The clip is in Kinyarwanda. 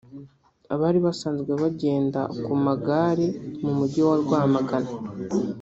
abari basanzwe bagenda ku magare mu mujyi wa Rwamagana